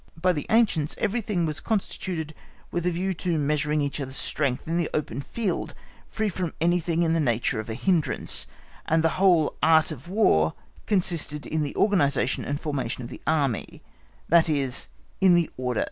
By the ancients everything was constituted with a view to measuring each other's strength in the open field free from anything in the nature of a hindrance,(*) and the whole Art of War consisted in the organisation, and formation of the Army, that is in the order of battle.